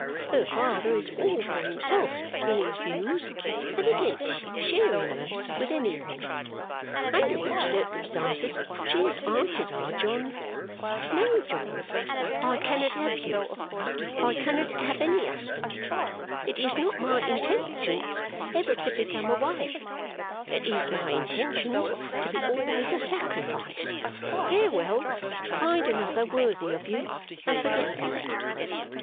Her father is all for himself in his views and against sharing her with any one. Under which circumstances she has answered Our John, "No, John, I cannot have you, I cannot have any husband, it is not my intentions ever to become a wife, it is my intentions to be always a sacrifice, farewell, find another worthy of you, and forget me!"